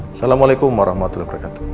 assalamualaikum warahmatullahi wabarakatuh